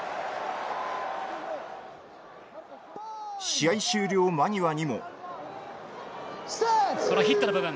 試合終了間際にもこのヒットの部分。